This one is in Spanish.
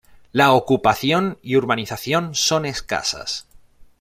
La ocupación y urbanización son escasas.